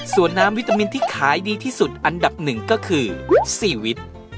ส่วนน้ำวิตามินที่ขายดีที่สุดอันดับหนึ่งก็คือ๔วิท